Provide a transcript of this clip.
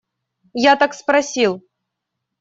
Я так спросил.